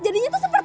jadinya tuh seperti